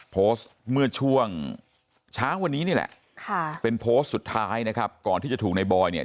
โพสต์เมื่อช่วงเช้าวันนี้นี่แหละ